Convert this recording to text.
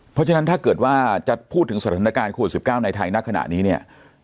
เพราะฉะนั้นถ้าเกิดว่าจะพูดถึงสถานการณ์โควิด๑๙ในไทยณขณะนี้เนี่ย